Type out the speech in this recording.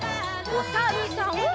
おさるさん。